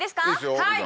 はい！